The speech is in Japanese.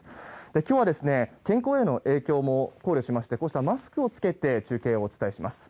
今日は、健康への影響も考慮しましてこうしたマスクを着けて中継をお伝えします。